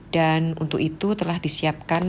dan untuk itu telah disiapkan